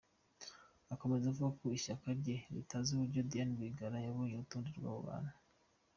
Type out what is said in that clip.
Akomeza avuga ko ishyaka rye ritazi uburyo Diane Rwigara yabonye urutonde rw’abo bantu.